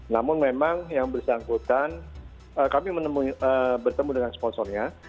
namun memang yang bersangkutan kami bertemu dengan sponsornya